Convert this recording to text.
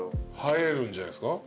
映えるんじゃないですか？